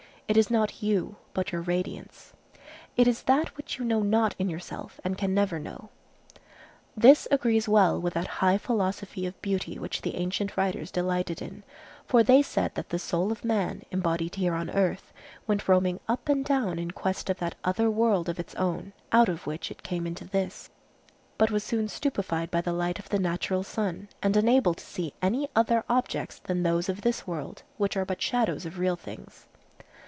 It is not you, but your radiance. It is that which you know not in yourself and can never know. This agrees well with that high philosophy of Beauty which the ancient writers delighted in; for they said that the soul of man, embodied here on earth, went roaming up and down in quest of that other world of its own out of which it came into this, but was soon stupefied by the light of the natural sun, and unable to see any other objects than those of this world, which are but shadows of real things.